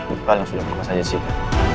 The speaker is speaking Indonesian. itu hal yang sudah terkuasa jessica